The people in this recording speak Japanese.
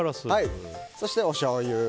そして、おしょうゆ。